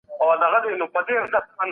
عدل د مسلمانانو صفت دی.